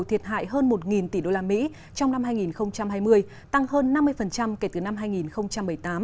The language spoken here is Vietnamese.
thiệt hại hơn một tỷ đô la mỹ trong năm hai nghìn hai mươi tăng hơn năm mươi kể từ năm hai nghìn một mươi tám